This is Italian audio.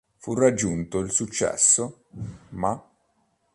Fu raggiunto il successo, ma